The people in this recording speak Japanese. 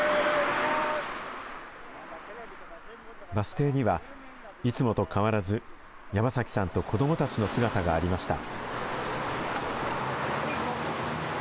バス停にはいつもと変わらず、山崎さんと子どもたちの姿がありました。